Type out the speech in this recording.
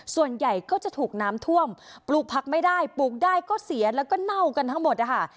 ส่วนใหญ่ก็จะถูกน้ำท่วมปลูกผักไม่ได้ปลูกได้ก็เสียแล้วก็เน่ากันทั้งหมดนะคะ